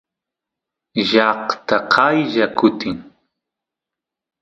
llaqta qaylla kutin